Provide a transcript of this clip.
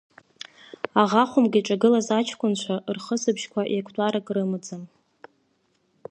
Аӷа хәымга иҿагылаз аҷкәынцәа рхысбыжьқәа еиқәтәарак рымаӡам…